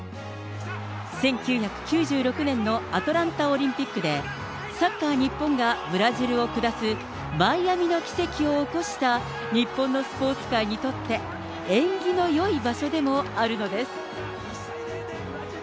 １９９６年のアトランタオリンピックで、サッカー日本がブラジルを下すマイアミの奇跡を起こした、日本のスポーツ界にとって縁起のよい場所でもあるのです。